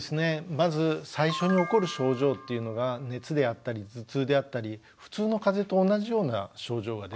まず最初に起こる症状っていうのが熱であったり頭痛であったり普通の風邪と同じような症状が出てくるっていうことですね。